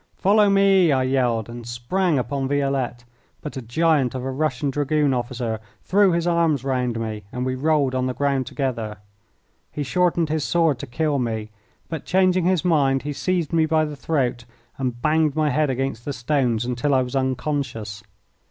"Follow me!" I yelled, and sprang upon Violette, but a giant of a Russian Dragoon officer threw his arms round me and we rolled on the ground together. He shortened his sword to kill me, but, changing his mind, he seized me by the throat and banged my head against the stones until I was unconscious.